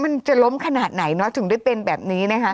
มันจะล้มขนาดไหนถึงได้เป็นแบบนี้